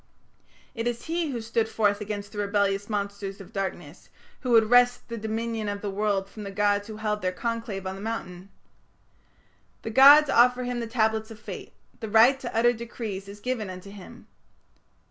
It is he who stood forth against the rebellious monsters of darkness, who would wrest the dominion of the world from the gods who held their conclave on the mountain. The gods offer him the Tablets of Fate; the right to utter decrees is given unto him."